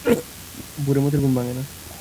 ভোরে মতির ঘুম ভাঙে না।